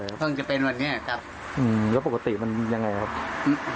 อืมแล้วปกติมันยังไงครับ